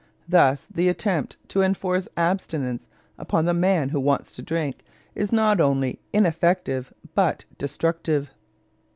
Thus the attempt to enforce abstinence upon the man who wants to drink is not only ineffective, but destructive.